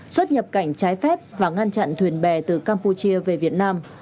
xuất nhập cảnh trái phép và ngăn chặn thuyền bè từ campuchia về việt nam